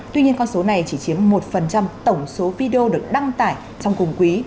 tuy nhiên con số này chỉ chiếm một tổng số video được đăng tải trong cùng quý